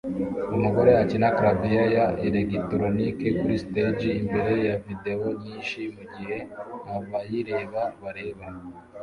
Umugore akina clavier ya elegitoronike kuri stage imbere ya videwo nyinshi mugihe abayireba bareba